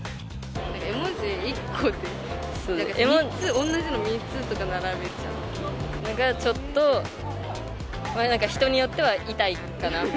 絵文字、同じの３つとか並べちゃっているのがちょっと、人によっては痛いかな。